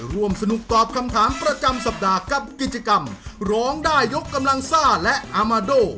ร่วมสนุกตอบคำถามประจำสัปดาห์กับกิจกรรมร้องได้ยกกำลังซ่าและอามาโด